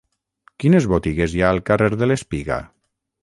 Quines botigues hi ha al carrer de l'Espiga?